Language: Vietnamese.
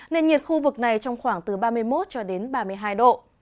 nền nhiệt khu vực này trong khoảng từ ba mươi một ba mươi hai độ